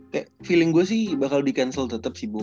kayak feeling gue sih bakal di cancel tetep sih